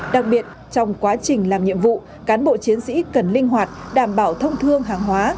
đặc biệt trong quá trình làm nhiệm vụ cán bộ chiến sĩ cần linh hoạt đảm bảo thông thương hàng hóa